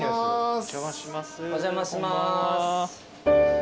お邪魔します。